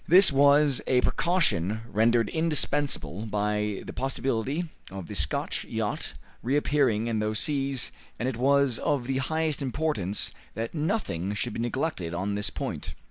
This was a precaution rendered indispensable by the possibility of the Scotch yacht reappearing in those seas, and it was of the highest importance that nothing should be neglected on this point.